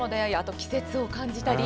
季節を感じたり。